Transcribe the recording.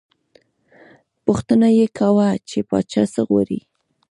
پوښتنه یې کاوه، چې پاچا څه غواړي.